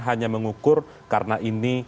hanya mengukur karena ini